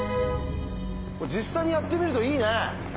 実際にやってみるといいね。